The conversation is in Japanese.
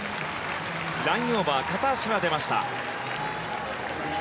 ラインオーバー片足が出ました。